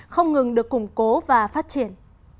không ngừng được củng cố và phát triển